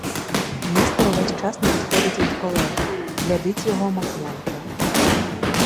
Містер увесь час не відходить від колеги, глядить його, мов нянька.